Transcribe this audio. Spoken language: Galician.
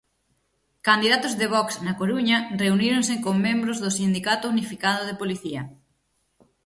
Candidatos de Vox na Coruña reuníronse con membros do Sindicato Unificado de Policía.